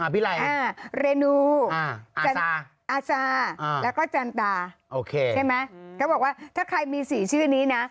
พี่ไร่อ่าเรนูอาซาแล้วก็จันตาใช่ไหมเขาบอกว่าถ้าใครมี๔ชื่อนี้นะ